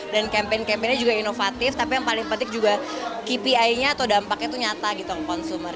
dan campaign campaignnya juga inovatif tapi yang paling penting juga kpi nya atau dampaknya itu nyata gitu konsumer